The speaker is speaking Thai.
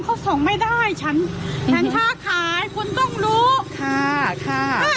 เขาส่งไม่ได้ฉันฉันค้าขายคุณต้องรู้ค่ะค่ะ